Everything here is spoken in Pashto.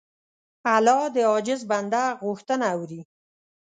الله د عاجز بنده غوښتنه اوري.